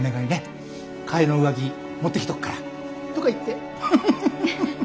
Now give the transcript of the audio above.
替えの上着持ってきとくからとか言って。